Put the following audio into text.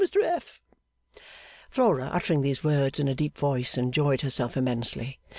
Flora, uttering these words in a deep voice, enjoyed herself immensely.